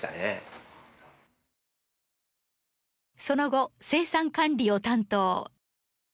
その後生産管理を担当。